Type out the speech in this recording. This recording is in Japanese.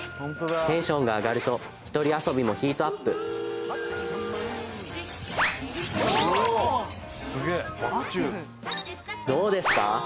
テンションが上がるとひとり遊びもヒートアップどうですか？